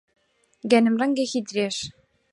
گەنم ڕەنگێکی درێژ